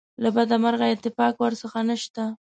له بده مرغه اتفاق ورڅخه نشته.